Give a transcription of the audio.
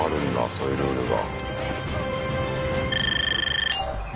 そういうルールが。